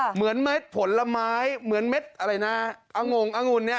เหมือนเม็ดผลไม้เหมือนเม็ดอะไรนะอังงงอังุณ